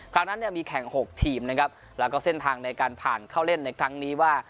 ครั้งนั้นเนี่ยมีแข่ง๖ทีมนะครับแล้วก็เส้นทางในการผ่านเข้าเล่นในครั้งนี้ว่า